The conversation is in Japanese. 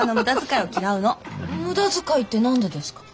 無駄遣いって何でですか？